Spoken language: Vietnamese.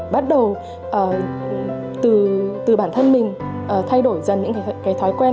bắt đầu từ bản thân mình thay đổi dần những cái thói quen